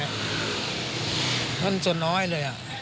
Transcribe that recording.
มันส่วนน้อยเลย